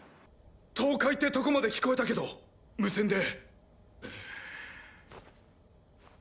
倒壊ってとこまで聞こえたけど無線で。